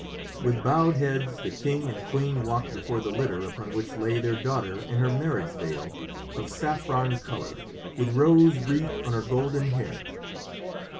With bowed heads the king and queen walked before the litter upon which lay their daughter in her marriage veil of saffron colour, with rose wreath on her golden hair.